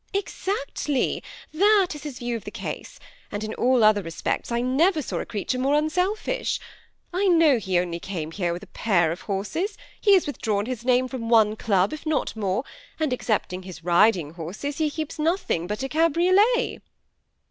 ^^ Exactly, that is his view of the case ; and in aJl other respects I never saw a creature more unselfish. I know he came here with only a pair of horses ; he has withdrawn his name frQm one club, if not more, and, except his riding horses, he keeps nothing but a cabriolet."